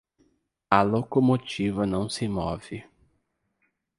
A locomotiva não se move